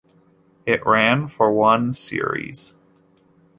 It ran for one series.